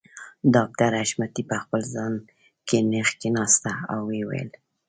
ډاکټر حشمتي په خپل ځای کې نېغ کښېناسته او ويې ويل